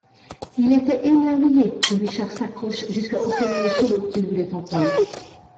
Il était émerveillé que Richard s'accroche jusqu'à obtenir le solo qu'il voulait entendre.